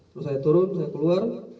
terus saya turun saya keluar